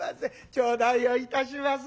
頂戴をいたします。